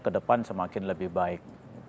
ke depan semakin lebih baik